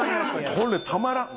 これたまらん。